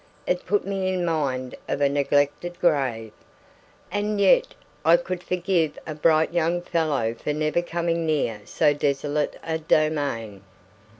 It put me in mind of a neglected grave. And yet I could forgive a bright young fellow for never coming near so desolate a domain.